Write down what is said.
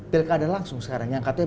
pilkada langsung sekarang yang katanya